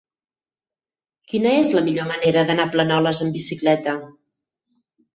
Quina és la millor manera d'anar a Planoles amb bicicleta?